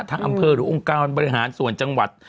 ทางอำเภอหรือองค์การบริหารส่วนจังหวัด